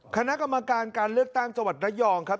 คณะกรรมการการเลือกตั้งจังหวัดระยองครับ